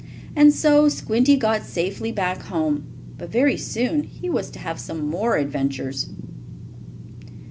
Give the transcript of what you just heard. And so Squinty got safely back home. But very soon he was to have some more adventures.